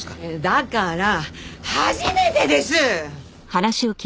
だから初めてです！